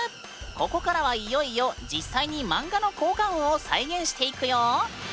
ここからはいよいよ実際にマンガの効果音を再現していくよ！